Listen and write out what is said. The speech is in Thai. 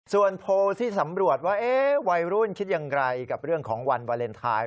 ส่วนโพลที่สำรวจว่าวัยรุ่นคิดอย่างไรกับเรื่องของวันวาเลนไทย